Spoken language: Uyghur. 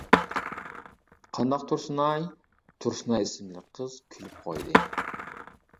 قانداق تۇرسۇنئاي؟ تۇرسۇنئاي ئىسىملىك قىز كۈلۈپ قويدى.